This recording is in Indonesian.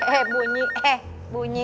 eh bunyi eh bunyi